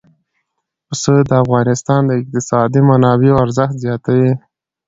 پسه د افغانستان د اقتصادي منابعو ارزښت زیاتوي.